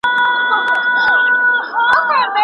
زه د عطر په څېر خپور سم ته مي نه سې بویولای